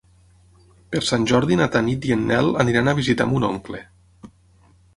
Per Sant Jordi na Tanit i en Nel aniran a visitar mon oncle.